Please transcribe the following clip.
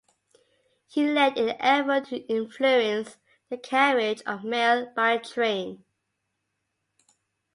He led in the effort to influence the carriage of mail by train.